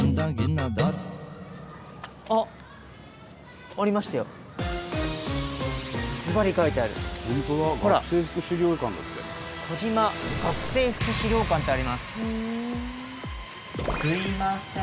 あっすいません。